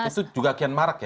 itu juga kianmark ya